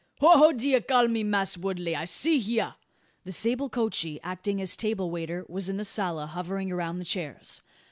"Ho ho! d'ye call me, Mass' Woodley? I'se hya." The sable coachee, acting as table waiter, was in the sala, hovering around the chairs.